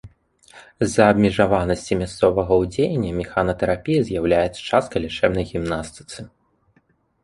З-за абмежаванасці мясцовага ўздзеяння механатэрапіі з'яўляецца часткай лячэбнай гімнастыцы.